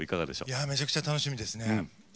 いやめちゃくちゃ楽しみですね。